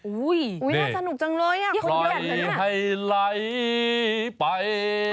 อุ๊ยน่าสนุกจังเลยอ่ะคนเยี่ยมกันเนี่ยคอยให้ไหลไป